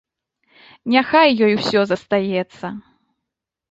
Няхай ёй усё застаецца.